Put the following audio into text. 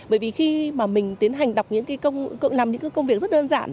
bởi vì khi mà mình tiến hành đọc làm những công việc rất đơn giản